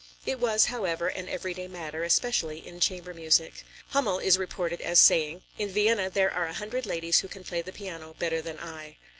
It was, however, an every day matter especially in chamber music. Hümmel is reported as saying: "In Vienna there are a hundred ladies who can play the piano better than I."